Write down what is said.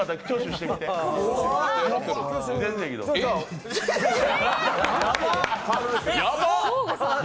やばっ！！